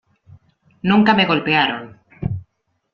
Nunca me golpearon.